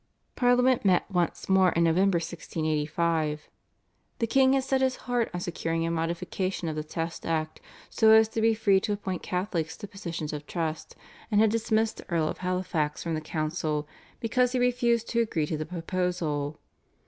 Parliament met once more in November 1685. The king had set his heart on securing a modification of the Test Act, so as to be free to appoint Catholics to positions of trust, and had dismissed the Earl of Halifax from the council because he refused to agree to the proposal.